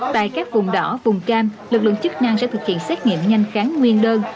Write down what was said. tại các vùng đỏ vùng cam lực lượng chức năng sẽ thực hiện xét nghiệm nhanh kháng nguyên đơn